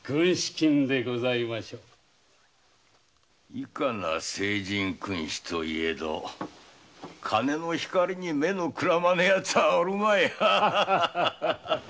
いかな聖人君子といえど金の光に目のくらまぬヤツはおるまい。